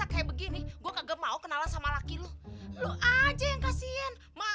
apa apa apa apa udah sabar dulu tenang